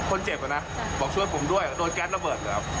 คนเจ็บอ่ะนะบอกช่วยผมด้วยโดนแก๊สระเบิดเลยครับ